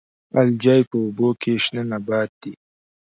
الجی په اوبو کې شنه نباتات دي